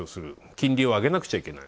金利を上げなくちゃいけない。